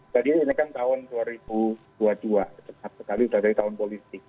jadi ini kan tahun dua ribu dua puluh dua sempat sekali sudah dari tahun politik